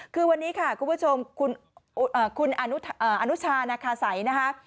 คือวันนี้ค่ะคุณผู้ชมคุณอนุชานาคาสัยนะคะ